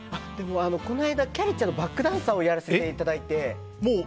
この間、きゃりーちゃんのバックダンサーをやらせていただいて。